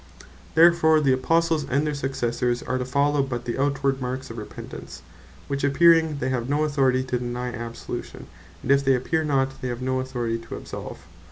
Therefore the Apostles, and their Successors, are to follow but the outward marks of Repentance; which appearing, they have no Authority to deny Absolution; and if they appeare not, they have no authority to Absolve.